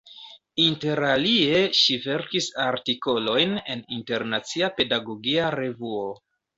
Interalie ŝi verkis artikolojn en "Internacia Pedagogia Revuo.